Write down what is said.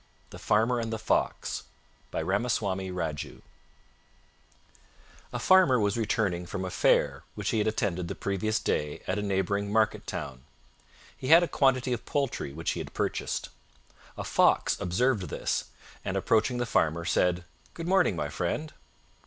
THE FARMER AND THE FOX By Ramaswami Raju A farmer was returning from a fair which he had attended the previous day at a neighboring market town. He had a quantity of poultry which he had purchased. A Fox observed this, and approaching the Farmer, said, "Good morning, my friend."